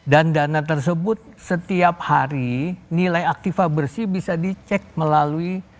dan dana tersebut setiap hari nilai aktifa bersih bisa dicek melalui